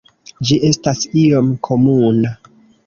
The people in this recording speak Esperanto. Ĝi estas iom komuna.